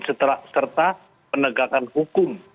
serta penegakan hukum